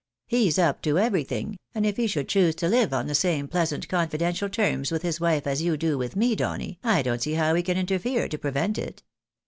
He's up to everything, and if he should choose to live on the same pleasant confidential terms with his wife as you do with me, Donny, I don't see how we can interfere to prevent it.